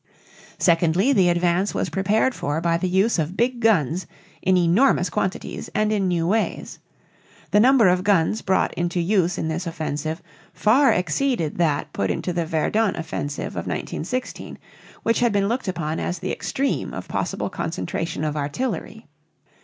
Secondly, the advance was prepared for by the use of big guns in enormous quantities and in new ways. The number of guns brought into use in this offensive far exceeded that put into the Verdun offensive of 1916, which had been looked upon as the extreme of possible concentration of artillery.